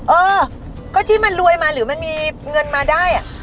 เออก็ที่มันรวยมาหรือมันมีเงินมาได้